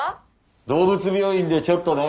動物病院でちょっとな。